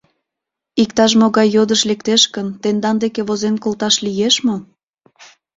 — Иктаж-могай йодыш лектеш гын, тендан деке возен колташ лиеш мо?